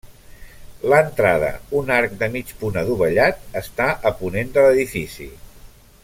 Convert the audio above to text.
L'entrada, un arc de mig punt adovellat, està a ponent de l'edifici.